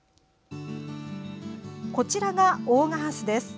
こちらが大賀ハスです。